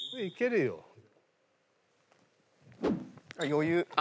余裕。